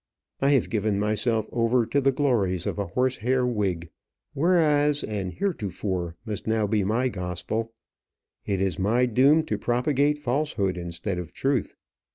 I have given myself over to the glories of a horse hair wig; 'whereas' and 'heretofore' must now be my gospel; it is my doom to propagate falsehood instead of truth.